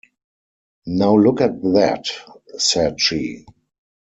“Now look at that!” said she.